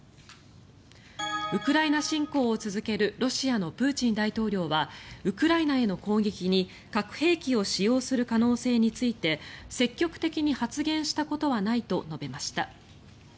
ウクライナ侵攻を続けるロシアのプーチン大統領はウクライナへの攻撃に核兵器を使用する可能性について積極的に発言したことはないと述べました。